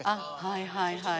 はいはいはい。